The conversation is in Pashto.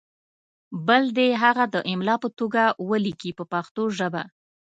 بل دې هغه د املا په توګه ولیکي په پښتو ژبه.